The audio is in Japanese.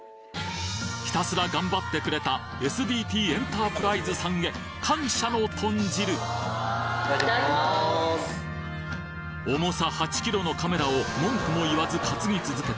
ひたすら頑張ってくれたＳＤＴエンタープライズさんへ感謝の豚汁重さ８キロのカメラを文句も言わず担ぎ続けた